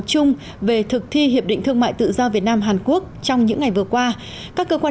chung về thực thi hiệp định thương mại tự do việt nam hàn quốc trong những ngày vừa qua các cơ quan